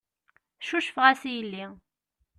Cucfeɣ-as i yelli.